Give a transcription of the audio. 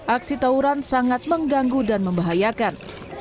aksi tawuran sangat mengganggu dan membahayakan